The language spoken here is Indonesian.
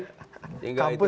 kampus ya pak